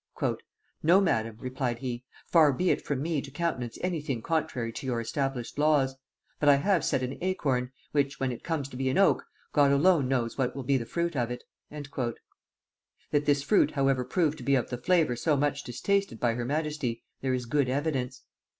"No, Madam," replied he; "far be it from me to countenance any thing contrary to your established laws; but I have set an acorn, which, when it comes to be an oak, God alone knows what will be the fruit of it." That this fruit however proved to be of the flavor so much distasted by her majesty, there is good evidence.